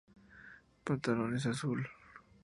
El pantalón es azul.